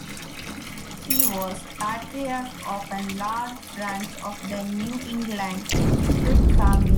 He was patriarch of a large branch of the New England Dwight family.